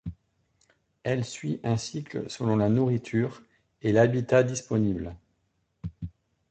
Elle suit un cycle selon la nourriture et l'habitat disponible.